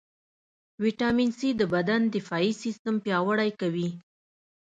ويټامين C د بدن دفاعي سیستم پیاوړئ کوي.